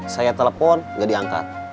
saya telepon gak diangkat